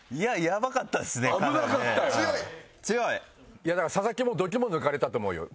いやだから佐々木も度肝抜かれたと思うよ。